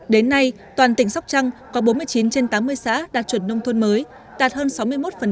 đến nay toàn tỉnh sóc trăng có bốn mươi chín trên tám mươi xã đạt chuẩn nông thôn mới đạt hơn sáu mươi một